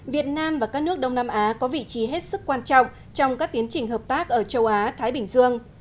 việt nam và các nước đông nam á có vị trí hết sức quan trọng trong các tiến trình hợp tác ở châu á thái bình dương